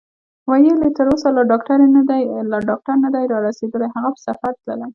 ویل یې: تر اوسه لا ډاکټر نه دی رارسېدلی، هغه په سفر تللی.